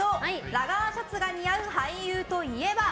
ラガーシャツが似合う俳優といえば？